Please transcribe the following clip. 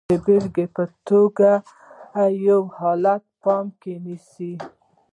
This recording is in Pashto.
د بېلګې په توګه یو حالت په پام کې نیسو.